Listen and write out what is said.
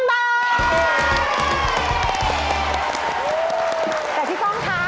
แต่พี่ป้องค่ะ